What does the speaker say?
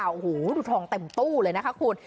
โอ้โหดูทองเต็มตู้เลยนะคะคุณ